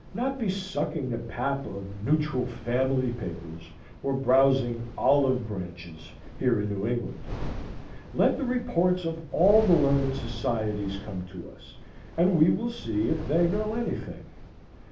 —not be sucking the pap of "neutral family" papers, or browsing "Olive Branches" here in New England. Let the reports of all the learned societies come to us, and we will see if they know any thing.